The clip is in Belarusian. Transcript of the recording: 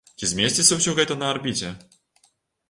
Ці змесціцца ўсё гэта на арбіце?